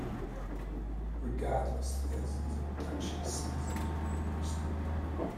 Regardless, thousands of Dutch citizens were arrested.